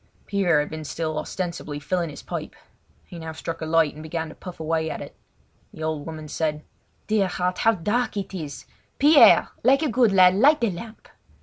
Pierre had been still ostensibly filling his pipe; he now struck a light and began to puff away at it. The old woman said: "Dear heart, how dark it is! Pierre, like a good lad, light the lamp!"